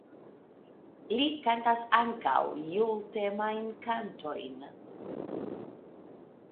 Li kantas ankaŭ jultemajn kantojn.